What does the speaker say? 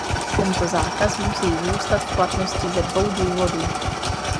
Tento zákaz musí zůstat v platnosti ze dvou důvodů.